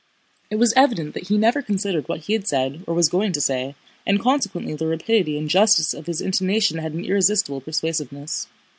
It was evident that he never considered what he had said or was going to say, and consequently the rapidity and justice of his intonation had an irresistible persuasiveness.